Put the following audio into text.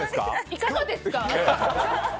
いかがですか。